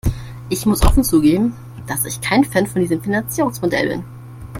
Ich muss offen zugeben, dass ich kein Fan von diesem Finanzierungsmodell bin.